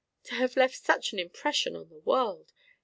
To have left such an impression on the world!